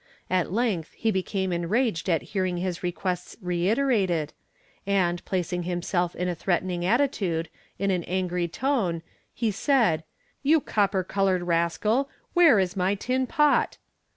At length he became enraged at hearing his requests reiterated, and, placing himself in a threatening attitude, in an angry tone, he said, 'You copper coloured rascal, where is my tin pot?'